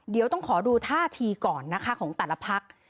เดี๋ยวต้องขอดูท่าทีก่อนนะคะของแต่ละพัก